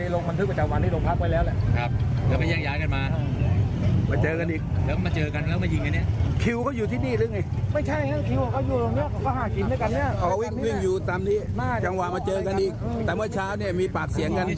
รถเล็งทั้งหมด